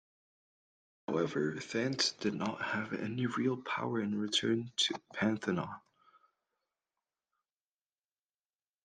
However, Thant did not have any real power and returned to Pantanaw.